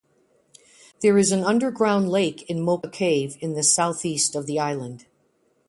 There is an underground lake in Moqua Cave in the southeast of the island.